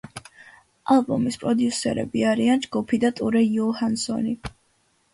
ალბომის პროდიუსერები არიან ჯგუფი და ტურე იუჰანსონი.